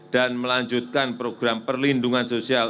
dan melanjutkan program perlindungan sosial